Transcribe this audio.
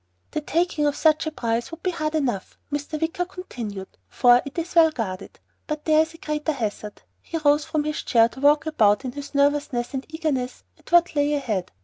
"The taking of such a prize would be hard enough," Mr. Wicker continued, "for it is well guarded. But there is a greater hazard." He rose from his chair to walk about in his nervousness and eagerness at what lay ahead.